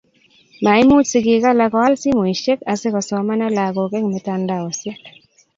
maimuch sigik alak koal simoisiek, asikusomane lagok eng' mitandaosiek